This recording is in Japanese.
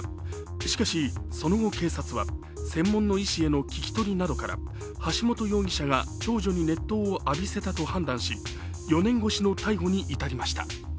しかし、その後警察は、専門家の医師への聴き取りなどから橋本容疑者が長女に熱湯を浴びせたと判断し４年越しの逮捕に至りました。